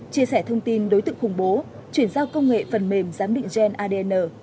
chia sẻ thông tin đối tượng khủng bố chuyển giao công nghệ phần mềm giám định gen adn